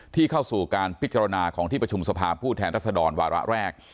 ที่เข้าสู่การพิจารณาของที่ประชุมสภาพผู้แทนรัศดรวาระแรก